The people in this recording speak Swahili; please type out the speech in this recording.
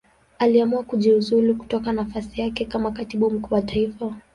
Aliamua kujiuzulu kutoka nafasi yake kama Katibu Mkuu wa Taifa.